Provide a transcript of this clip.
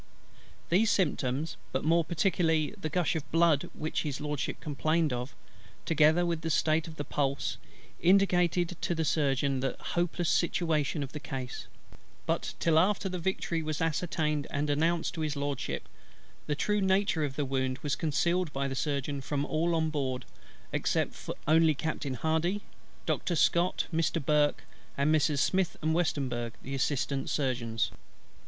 These symptoms, but more particularly the gush of blood which His LORDSHIP complained of, together with the state of his pulse, indicated to the Surgeon the hopeless situation of the case; but till after the victory was ascertained and announced to His LORDSHIP, the true nature of his wound was concealed by the Surgeon from all on board except only Captain HARDY, Doctor SCOTT, Mr. BURKE, and Messrs. SMITH and WESTEMBURG the Assistant Surgeons.